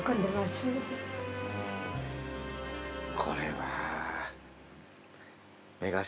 これは。